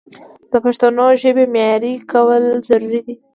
د پښتو ژبې معیاري کول ضروري دي.